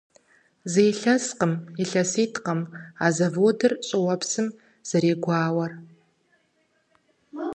Зы илъэскъым, илъэситӀкъым а заводыр щӀыуэпсым зэрегуауэр.